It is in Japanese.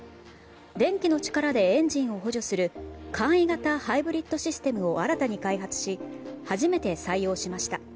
電気の力でエンジンを補助する簡易型ハイブリッドシステムを新たに開発し初めて採用しました。